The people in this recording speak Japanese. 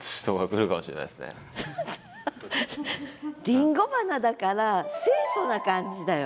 りんご花だから清楚な感じだよ。